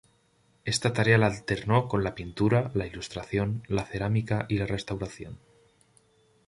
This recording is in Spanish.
Esta tarea la alternó con la pintura, la ilustración, la cerámica y la restauración.